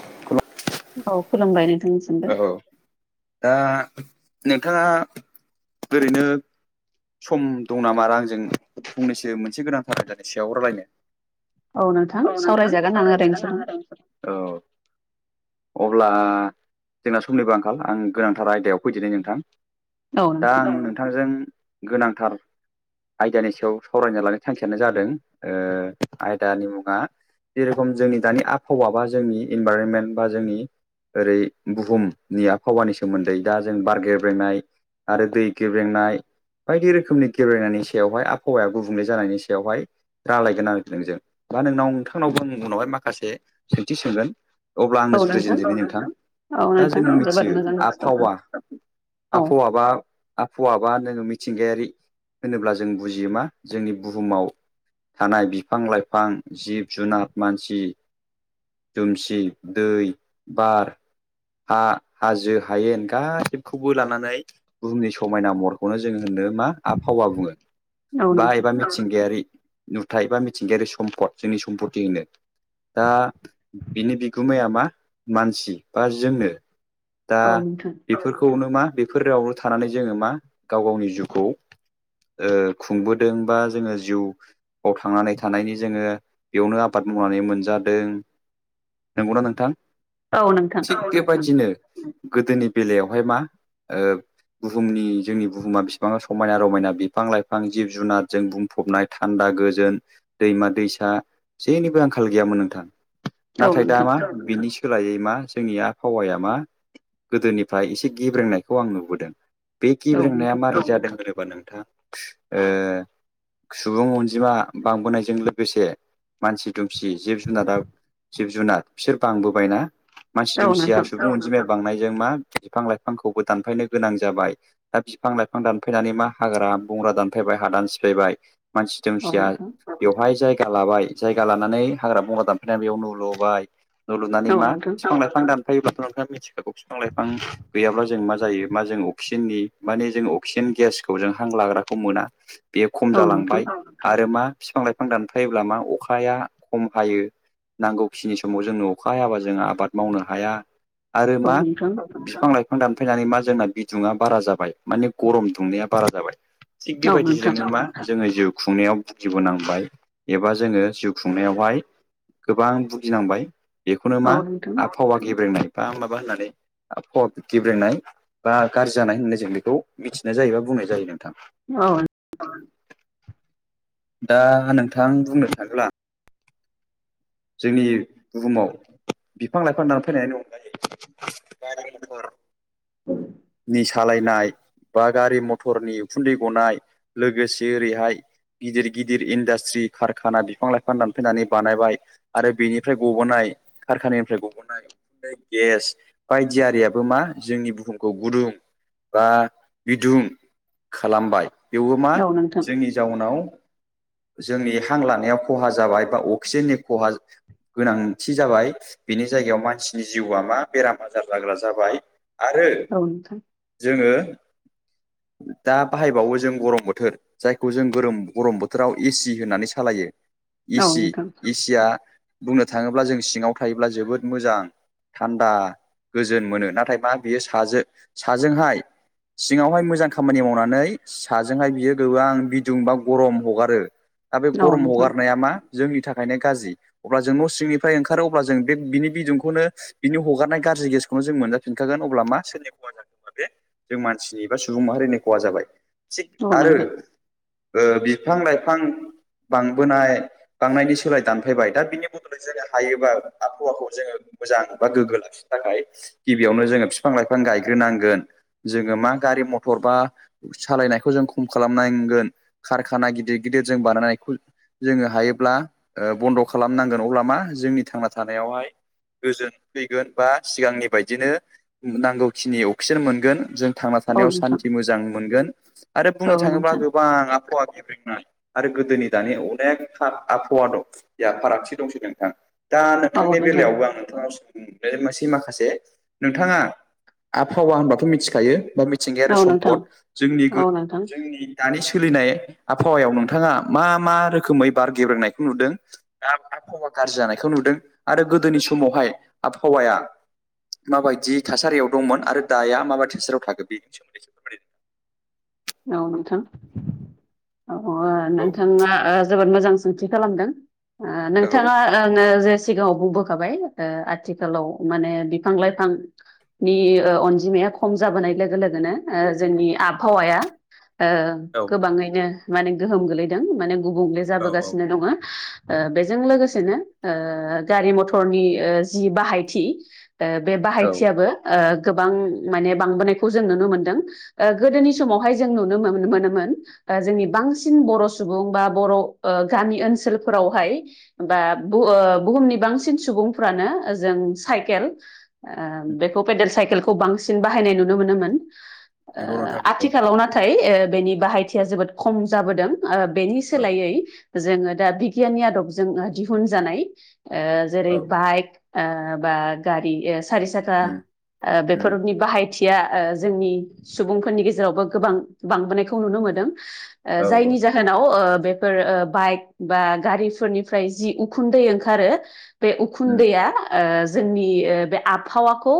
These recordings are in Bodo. [unintelligible] औ खुलुमबाय नो औ दा नोंथाङा ओरैनो सम दं नामा आरो आंजों फंनैसो मोनसे गोनां थाखायानाय सायाव रायलायनो। औ औ नोंथां सावरायजागोन ओरैनोसो सावरायजागोन आं ओरैनोसो दं। अब्ला जोंना समनिबो आंखाल आं गोनांथार आयदायाव फैदिनि नोंथां। दं औ दा नोंथां आं नोंथांजों गोनांथार आयदानि सायाव सावरायनो लानाय थांखियानो जादों आयदानि मुङा जेरखम जोंनि दानि आबहावा बा जोंनि इनभाररनमेन्ट बा जोंनि ओरै बुहुमनि आबहावानि सोमोन्दै दा जों बारगेब्रेंनाय आरो दै गब्रेंनाय बायदि रोखोमनि गेब्रेंनायनि सायावहाय आबहावाया गुबुंले जानायनि सायावहाय राय्लायगोन आरो नोंजों दा नोंनाव नोंथांनावबो उनावहाय माखासे सोंथि सोंगोन। अब्ला आंनो जुरिजेनदोनि नोंथां। औ दा नोंथां जोंङो जोबोद मिथियो मोजां टपिक। आबहावा औ आबहावाबा आबहावाबा नोङो मिथि गायारि होनोब्ला जों बुजियो मा जोंनि बुहुमाव थानाय बिफां लाइफां जिब जुनार मानसि दुमसि दै बार हा हाजो हायेन गासैखौबो लानानै बुहुमनि समायना महरखौनो होननो मा आबहावा बुङो औ बा नोंथां एबा मिथिंगायारि नुथाय बा मिथिंगायारि सम्पद जोंनि सम्पति होनो दा बिनि बिगोमाया मा मानसि बा जोंनो दा औ नोंथां बेफोरखौनो मा बेफोरावनो थानानै जोङो मा गाव गावनि जिउखौ खुंबोदों बा जोङो जिउआव थांनानै थानायनि जोङो बेयावनो आबाद मावनानै मोनजादों। नंगौना नोंथां औ नोंथां थिग उम बेबायदिनो गोदोनि बेलायावहाय मा बुहुमनि जोंनि बुहुमा बेसेबां समायना रमायना बिफां लाइफां जिब जुनारजों बुंफबनाय थान्दा गोजोन दै दैमा दैसा जेनिबो आंखाल गैयामोन नोंथां औ नाथाय दा नोंथां मा बिनि सोलायै मा जोंनि आबहावाया मा गोदोनिफ्राय एसे गेब्रेंनायखौ आं नुबोदों बे औ गेब्रेंनाया नोंथां मारै जादों होनोबा नोंथां सुबुं अनजिमा बांबोनायजों लोगोसे मानसि दुमसि जिब जुनारा जिब जुनार बिसोर बांबोबायना मानसि दुमसिया सुबुं अनजिमाया बांनायजों मा बिफां लाइफांखौबो दानफायनो गोनां जाबाय दा बिफां लाइफां दानफैनानै मा हाग्रा बंग्रा दानफाबाय हादान सिफायबाय मानसि औ नोंथां औ दोमसिया नोंथां बेवहाय जाय जायगा लाबाय जायगा लानानै हाग्रा बंग्रा दानफायनानै बेयाव न लुबाय न' लुनानै औ मा नोंथां बिफां लाइफां दान फायोबाथ' नोंथाङा मिथिखागौ बिफां लाइफां गैयाब्ला जों मा जायो मा जों अक्सिजेननि माने जों अक्सिजेन गेसखौ जों हां लाग्राखौ मोना बे खम औ नोंथां जालांबाय आरो मा बिफां लाइफां दानफायोबा मा अखाया खम हायो नांगौ खिनि समाव जोंनो अखा हाबा जों आबाद मावनो हाया आरो औ मा नोंथां बिफां लाइफां दानफायनानै मा जोंना बिदुङा बारा जाबाय माने गरम दुंनाया बारा जाबाय थिग बेबायदिजोंनो मा जोङो जिउ खुंनायाव बुगिबोनांबाय एबा जोङो जिउ खुंनायावहाय गोबां बुगिनांबाय बेखौनो औ मा नोंथां आबहावा गेब्रेंनाय बा माबा होननानै फब गेब्रेंनाय बा गाज्रि जानाय होननाय जों बेखौ मिथिनाय जायोबा बुंनाय जायो नोंथां दा नोंथां बुंनो थाङोब्ला जोंनि बुहुमाव बिफां लाइफां दानफायनायनि अनगायैबो नि सालायनाय बा गारि मथरनि उखुन्दै गनाय लोगोसे ओरैहाय गिदिर गिदिर इन्डास्ट्रि कारखाना बिफां-लाइफां दानफैनानै बानायबाय आरो बेनिफ्राय गब'नाय कारखानिफ्राय गब'नाय गेस बायदि आरियाबो मा जोंनि बुहुमखौ गुदुं बा बिदुं खालामबाय बेवबो मा जोंनि जाउनाव जोंनि हां लानायाव ख'हा जाबाय बा अक्सिजेननि ख'हा गोनांथि जाबाय बिनि जायगायाव मानसिनि जिउआ मा बेराम आजार जाग्रा जाबाय आरो औ नोंथां औ नोंथां औ नोंथां औ नोंथां जोङो दा बाहायबावो जों गरम बोथोर जायखौ जों गरम गरम बोथोर बोथोराव एसि होननानै सालायो औ एसि एसिया बुंनो थाङोब्ला जों सिङाव थायोब्ला जोबोद मोजां थान्दा गोजोन मोनो नाथाय मा बियो साजो साजोंहाय सिङावहाय मोजां खामानि मावनानै साजोंहाय बियो गोबां बिदुं बा गरम हगार रो दा बे गरम नोंथां हगारनाया मा जोंनि थाखायनो गाजि अब्ला जों न सिंनिफ्राय ओंखारो अब्ला जों बे बिनि बिदुंखौनो बिनि हगारनाय गाज्रि गेसखौनो जों मोनजाफिनखागोन अब्ला मा सोरनि ख'हा जाखो ओमबा मा बे जों मानसिनि एबा सुबुं माहारिनि ख'हा जाबाय थिग औ आरो नोंथां ओ बिफां -लाइफां बांबोनाय बांनायनि सोलाय दानफायबाय दा बिनि बदलै जोङो हायोबा आबहावाखौ जोङो मोजां बा गोग्गो लाखिनो थाखाय गिबियावनो जोङो फिफां-लाइफां गायग्रोनांगोन जोङो मा गारि मथर बा सालाइनायखौ जों खम खालाम नांगोन खार खाना गिदिर गिदिर जों बानायनायखौ जोङो हायोब्ला ओ बन्द' खालामनांगोन अब्ला मा जोंनि थांना थानायावहाय गोजोन फैगोन बा सिगांनि बायदिनो नांगौखिनि अक्सिजेन मोनगोन गोन जों थांना औ थानायाव सान्थि मोजां मोनगोन आरो नोंथां बुंनो थाङोब्ला गोबां आबहावा। गेब्रेंनाय आरो गोदोनि दानि अनेक आबहावा दं बेहा फारागथि दंसै नोंथां। दा औ नोंथां औ नोंथांनि बेलायावबो आं नोंथांनाव मोनसे माखा। माखासे नोंथाङा आबहावा होनबाथ' मिथिखायो। बा नोंथां औ मिथिंगायारि नोंथां सम्पद जोंनि गो औ नोंथां जोंनि दानि सोलिनाय आबहावायाव नोंथाङा मा मा रोखोमै बार गेब्रेनायखौ नुदों आबहावा गाज्रि जानायखौ नु जों आरो गोदोनि समावहाय आबहावाया माबायदि थासारियाव दंमोन आरो दाया माबायदि थासारियाव थागो बेनि सोमोन्दै फोर [inaudible] औ नोंथां औ नोंथाङा ओ जोबोद मोजां सोंथि खालामदों ओ औ औ नोंथाङा ओ नो जे सिगाङाव बुंबोखाबाय ओ आथिखालाव माने बिफां-लाइफांनि ओ अनजिमाया ख'म जाबोनाय लोगो लोगोनो ओ जोंनि आबहावाया ओ औ गोबाङैनो माने गोहोम गोलैदों माने गुबुंले औ औ जाबोगासिनो दङो ओ बेजों लोगोसेनो ओ गारि मथरनि जि बाहायथि ओ बे औ बाहायथियाबो ओ गोबां माने बांबोनायखौ जों नुनो मोनदों ओ गोदोनि समावहाय [unintelligible] मोनोमोन ओ जोंनि बांसिन बर' सुबुं बा बर' ओ गामि ओनसोलफोरावहाय बा बु ओ बुहुमनि बांसिन सुबुंफ्रानो ओजों साइकेल ओ बेखौ पेडेल साइकेलखौ बांसिन बाहायनाय नुनो मोनोमोन ओ नंगौ नोंथां नंगौ आथिखालाव नाथाय ओ बेनि बाहायथिया जोबोद ख'म जाबोदों। ओ बेनि औ सोलायै जोङो दा बिगियाननि आदबजों दिहुनजानाय ओ जेरै औ बाइक ओ बा गारि ओ सारि साखा उम ओ उम बेफोरनि बाहायथिया ओ जोंनि सुबुंफोरनि गेजेरावबो गोबां। बांबोनायखौ नुनो मोनदों ओ औ औ जायनि जाहोनाव ओ बेफोर ओ बाइक बा गारिफोरनिफ्राय जि उखुन्दै ओंखारो बे उम उखुनदैआ ओ जोंनि बे आबहावाखौ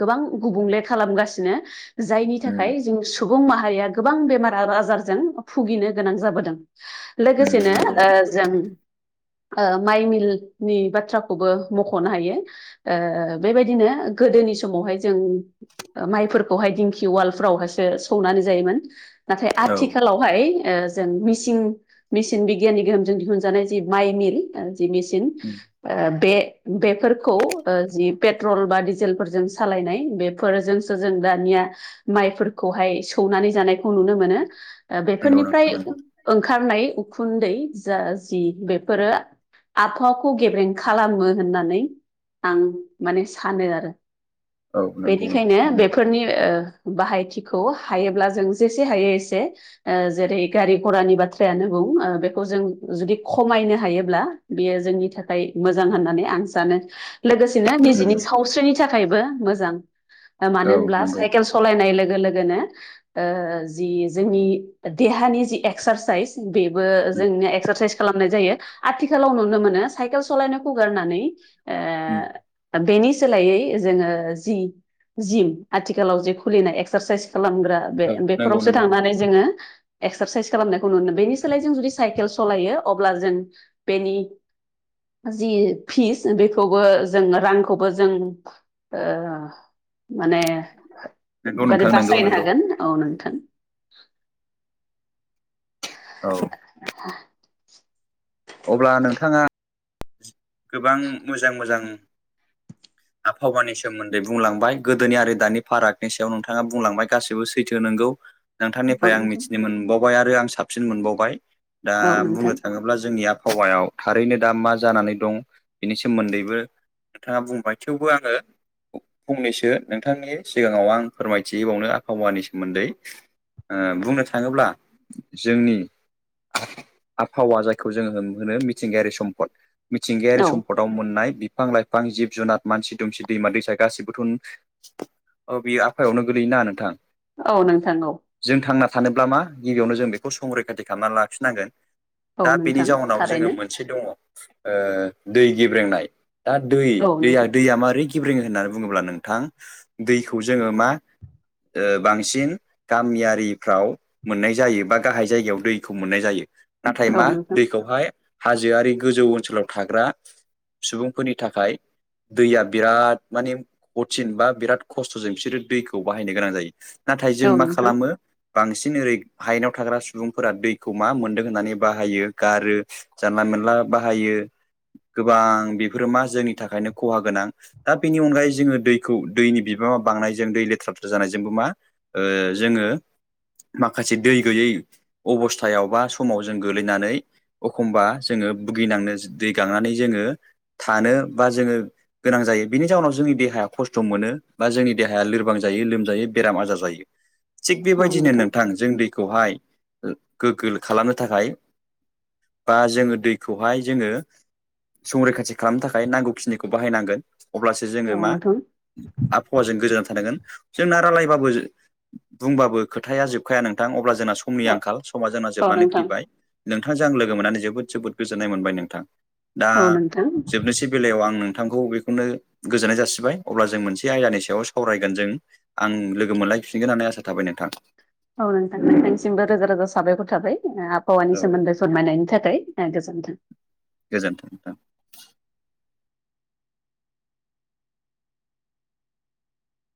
गोबां गुबुंले खालामगासिनो जायनि उम थाखाय जों सुबुं माहारिया गोबां बेमार आजारजों भुगिनो गोनां जाबोदों। उम लोगोसेनो जों [inaudible] माइ मिलनि बाथ्राखौबो मख'नो हायो ओ बेबायदिनो गोदोनि। समावहाय जों माइफोरखौहाय दिंखि उवालाव हा सौनानै जायोमोन नाथाय औ आथिखालावहाय जों मे सिन मेसिन बिगियाननि गोहोमजों दिहुनजानाय जि माइ मिल बे मिसिन बे बेफोरखौ पेट्रल डीजे लफोरजों सालायनाय बेफोरजोंसो जों दानिया माइफोरखौहाय सौनानै जानायखौ नुनो मोनो नंगौ बेफोरनिफ्राय नोंथां नंगौ ओंखारनाय उखुन्दै जा जि बेफोरो आबहावाखौ गेब्रें खालामो होननानै आं माने सानो आरो। औ नंगौ बेनिखायनो नंगौ बेफोरनि बाहायथिखौ हायोब्ला जों जेसे हायो एसे जेरै गारि घरानि बाथ्रायानो बुं बेखौ जों जुदि खमायनो हायोब्ला बेयो जोंनि थाखाय मोजां होननानै आं सानो। लोगोसेनो निजिनि सावस्रिनि थाखायबो मोजां मानो औ होनब्ला नंगौ साइकेल सालायनाय लो गो लोगोनो जि जोंनि देहानि जि एक्सारसाइस बेबो जों उम एसारसाइ खालामनाय जायो आथिखालाव नुनो मोनो सकेल सालनाय खौ गारनानै उम। बेनि सोलायै जोङो जि जिम आथिखालाव जि खुलिनाय एक्सारसाइस खालामग्रा बे औ नंगौ बेफोरावसो नंगौ नोंथां थांनानै जोङो एक्सारसाइस खालामनायखौ नुनो बेनि सोलाय जों जुदि। साइकेल सालायो अब्ला जों बेनि जि फिस बेखौबो जों रांखौबो जों ओ माने नंगौ माने नोंथां नंगौ बासायनो नंगौ हागोन औ नोंथां औ अब्ला नोंथाङा गोबां मोजां मोजां आबहावानि सोमोन्दै बुंलांबाय गोदोनिआ दानि फारागनि सायाव नोंथाङा बुंलांबाय गासैबो सैथो नोंगौ नोंथांनिफ्राय आं मिथिनो मोनबावबाय आरो आं साबसिन मोनबावबाय दा औ नोंथां औ बुंनो नोंथां थाङोब्ला जोंनिया आब हावायाव थारैनो दा मा जानानै दं बेनि सोमोन्दैबो नोंथाङा बुंबाय थेवबो आङो फंनैसो नोंथांनि सिगाङाव आं फोरमायथिंबावनो आबहावानि सोमोन्दै ओ बुंनो थाङोब्ला जोंनि आबहावा जायखौ जोङो होनो मिथिंगायारि सम्पद औ मिथिंगायारि सम्फदाव मोननाय बि फां लाइफां जिब जुनार मानसि दुमसि दैमा दैसा गाैबोथ' औ बियो आबहावायावनो गोलैयो ना नोंथां औ नोंथां औ सानोब्ला मा गिबियावनो जों बेखौ संरैखाथि खालामना लाखिनांगोन। औ दा बेनि नोंथां जाउनाव जोङो थारैनो मोनसे दङ ओ दै गेब्रेंनाय दा औ दैया नोंथां दैया मारै गेब्रेङो होननानै बुङोब्ला नोंथां दैखौ जोङो मा बांसिन गामियारिफ्राव मोननाय जायो बा गाहाय जायगायाव दैखौ मोननाय जायो। नाथाय औ मा नोंथां दैखौहाय हाजोआरि गोजौ ओनसोलाव थाग्रा सुबुंफोरनि थाखाय दैया बिराद माने कतिन बा बिराद खस्थ'जों बिसोरो दैखौ बाहायनो गोनां जायो। नाथाय जों औ मा नोंथां खालामो बांसिन ओरै हायेनाव थाग्रा सुबुंफोरा दैखौ मा मोनदों होननानै बाहायो गारो जानला मोनला बाहायो गोबां बेफोरो मा जोंनि थाखायनो खहा गोनां दा बेनि अनगायै जोङो दैखौ दैनि बिबां बांनायजों दै लेथ्रा लेथ्रा जानायजोंबो मा जोङो माखासे दै गैयै अबस्थायाव बा समाव जों गोलैनानै एखमबा जोङो भुगिनांनो दै गांनानै जोङो थानो बा जोङो गोनां जायो बिनि जाउनाव जोंनि देहाया खस्थ' मोनो बा जोंनि देहाया लोरबां जायो लोमजायो बेराम आजार जायो थिग बेबायदिनो नोंथां जों दैखौहाय गोगो खालामनो थाखाय बा जोङो दै खौहाय जोङो संरैखाथि खालामनो थाखाय नांगौखिनिखौ बाहायनांगोन अब्लासो जोङो औ मा नोंथां आबहावाजों गोजोना थानांगोन जोंना रायलायबाबो बुंबाबो खोथाया जोबखाया नोंथां अब्ला जोंना समनि औ आंखाल समा जोंना औ जोबनानै नोंथां फैबाय नोंथांजों आं लोगो मोननानै जोबोद जोबोद गोजोननाय मोनबाय नोंथां दा औ नोंथां औ नोंथां जोबनोसै बेलायाव आं नों नोंथांखौ बेखौनो गोजोननाय जासिबाय अब्ला जों मोनसे आयदानि सायाव सावरायगोन जों आं लोगो मोनलाय नायफिनगोन होना आसा थाबाय नोंथां औ नोंथां नोंथांनिसिमबो रोजा रोजा साबायखर थाबाय आबहावानि औ सोमोन्दै फोरमायनायनि थाखाय ए गोजोनथों गोजोन्थों नोंथां